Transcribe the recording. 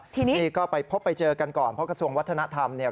ทีนี้นี่ก็ไปพบไปเจอกันก่อนเพราะกระทรวงวัฒนธรรมเนี่ย